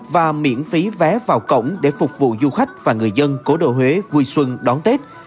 và miễn phí vé vào cổng để phục vụ du khách và người dân cố đô huế vui xuân đón tết